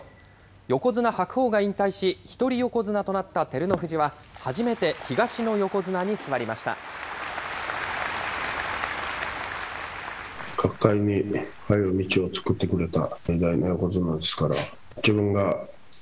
横綱・白鵬が引退し、一人横綱となった照ノ富士は、初めて東の横綱に座りました。